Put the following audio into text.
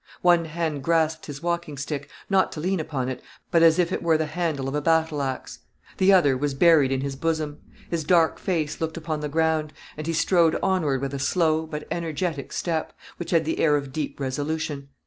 One hand grasped his walking stick, not to lean upon it, but as if it were the handle of a battle axe; the other was buried in his bosom; his dark face looked upon the ground, and he strode onward with a slow but energetic step, which had the air of deep resolution.